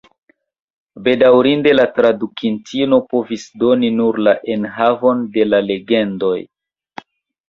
Bedaŭrinde, la tradukintino povis doni nur la enhavon de la legendoj.